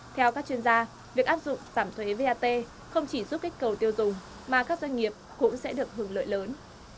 theo các chuyên gia việc áp dụng giảm thuế vat không chỉ giúp kích cầu tiêu dùng mà các doanh nghiệp cũng sẽ được hưởng lợi lớn